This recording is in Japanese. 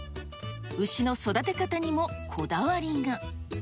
牛の育て方にもこだわりが。